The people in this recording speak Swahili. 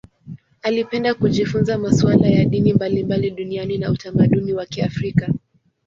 Alipenda kujifunza masuala ya dini mbalimbali duniani na utamaduni wa Kiafrika.